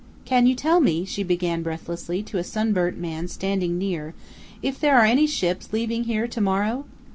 "Can you tell me," she began breathlessly to a sunburnt man standing near, "if there are any ships leaving here to morrow?"